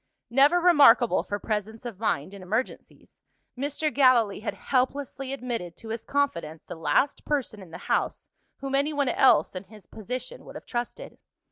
Never remarkable for presence of mind in emergencies, Mr. Gallilee had helplessly admitted to his confidence the last person in the house, whom anyone else (in his position) would have trusted.